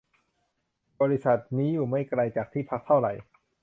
บริษัทนี้อยู่ไม่ไกลจากที่พักเท่าไร